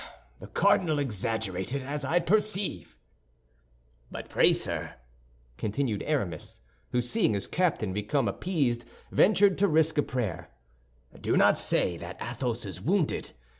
"The cardinal exaggerated, as I perceive." "But pray, sir," continued Aramis, who, seeing his captain become appeased, ventured to risk a prayer, "do not say that Athos is wounded.